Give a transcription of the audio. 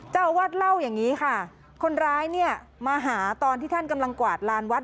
เจ้าอาวาสเล่าอย่างนี้ค่ะคนร้ายเนี่ยมาหาตอนที่ท่านกำลังกวาดลานวัด